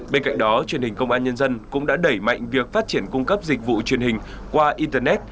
bên cạnh đó truyền hình công an nhân dân cũng đã đẩy mạnh việc phát triển cung cấp dịch vụ truyền hình qua internet